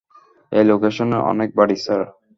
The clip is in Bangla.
এই লোকেশনে অনেক বাড়ি, স্যার।